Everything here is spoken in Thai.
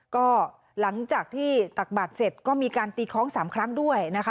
ก็หลังจากที่ตักบาดเสร็จก็มีการตีคล้อง๓ครั้งด้วยนะคะ